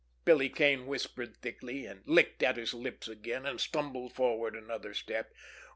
Billy Kane whispered thickly, and licked at his lips again, and stumbled forward another step.